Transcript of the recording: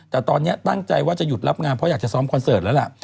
แต่ตอนนี้ตั้งใจว่าจะหยุดรับงานเพราะอยากจะซ้อมคอนเสิร์ตแล้วล่ะ